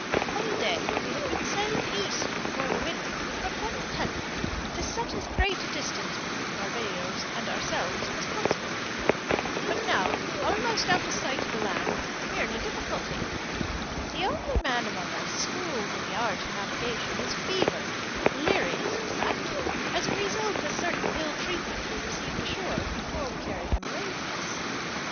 All day we have been sailing east before the wind with but one intent to set as great a distance between Barbados and ourselves as possible. But now, almost out of sight of land, we are in a difficulty. The only man among us schooled in the art of navigation is fevered, delirious, in fact, as a result of certain ill treatment he received ashore before we carried him away with us.